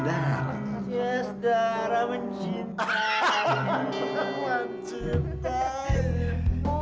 darah gue sudah lebih banyak darah lo cuma cadangan doang